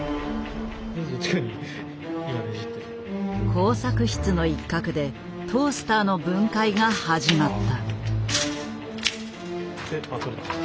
工作室の一角でトースターの分解が始まった。